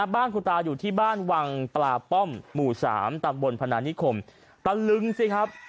บ้านคุณตาอยู่ที่บ้านวังปลาป้อมหมู่๓ตำบลพนานิคมตะลึงสิครับ